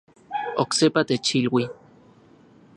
Oksepa techilui